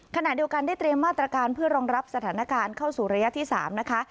ขณะเดียวกันได้เตรียมมาตรการเพื่อรองรับสถานการณ์เข้าสู่ระยะที่๓นะคะ